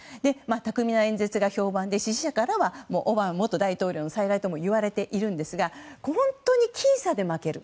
巧みな演説が評判で支持者からはオバマ元大統領の再来ともいわれているんですが本当に僅差で負ける。